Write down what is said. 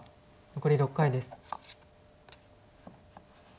残り６回です。